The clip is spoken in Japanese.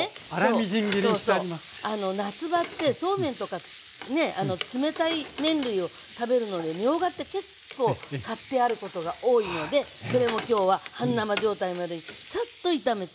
夏場ってそうめんとかね冷たい麺類を食べるのにみょうがって結構買ってあることが多いのでそれも今日は半生状態までサッと炒めてます。